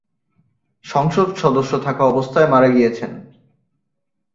সংসদ সদস্য থাকা অবস্থায় মারা গিয়েছেন।